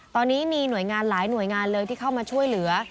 ตอนนี้มีหลายหน่วยงานที่เข้ามาช่วยเหลือ